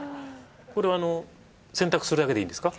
これ洗濯するだけでいいんですか？